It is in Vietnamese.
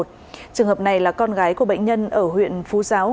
trường hợp này là con gái của bệnh nhân ở huyện phú giáo